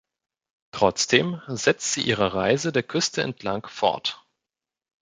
Trotzdem setzt sie ihre Reise der Küste entlang fort.